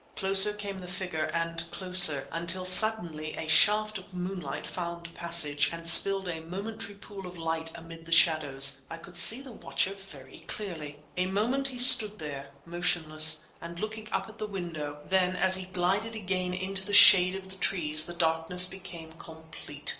Closer came the figure, and closer, until suddenly a shaft of moonlight found passage and spilled a momentary pool of light amid the shadows, I could see the watcher very clearly. A moment he stood there, motionless, and looking up at the window; then as he glided again into the shade of the trees the darkness became complete.